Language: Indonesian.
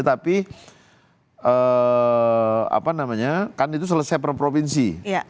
tapi kan itu selesai per provinsi